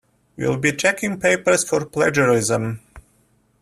We will be checking papers for plagiarism.